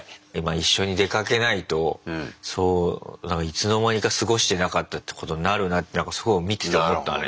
一緒に出かけないといつの間にか過ごしてなかったってことになるなってすごい見てて思ったね。